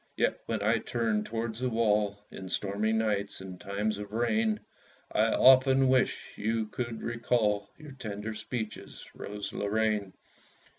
Yet when I turn towards the wall, In stormy nights, in times of rain, I often wish you could recall Your tender speeches, Rose Lorraine.